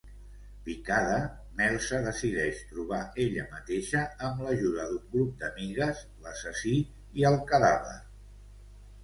Picada, Melsa decideix trobar ella mateixa, amb l'ajuda d'un grup d'amigues, l'assassí i el cadàver.